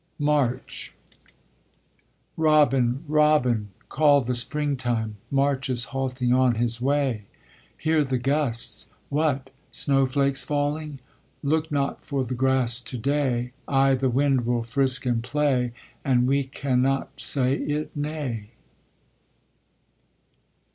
MARCH Robin! Robin! call the Springtime! March is halting on his way; Hear the gusts. What! snowflakes falling! Look not for the grass to day. Ay, the wind will frisk and play, And we cannot say it nay.